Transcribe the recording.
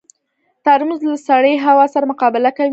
ترموز له سړې هوا سره مقابله کوي.